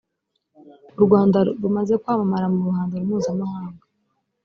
u rwanda rumaze kwa mamara mu ruhando mpuzamahanga